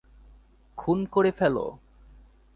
খুন করে ফেল!